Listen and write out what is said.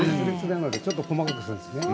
ちょっと細かくするんです。